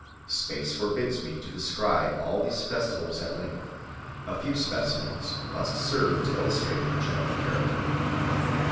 Space forbids me to describe all these festivals at length; a few specimens must serve to illustrate their general character.